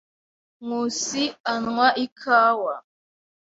Nkusi anywa ikawa.